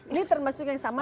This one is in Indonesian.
ini termasuk yang sama